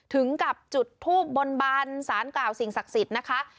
ถึงกับจุดทูบบนบานสารกล่าวสิ่งศักดิ์สิทธิ์นะคะ